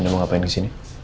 anda mau ngapain di sini